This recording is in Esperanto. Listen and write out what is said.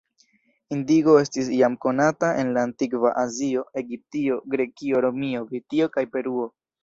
Indigo estis jam konata en la antikva Azio, Egiptio, Grekio, Romio, Britio kaj Peruo.